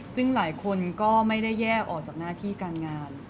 ซึ่งหลายคนก็ไม่ได้แยกออกจากหน้าที่การงาน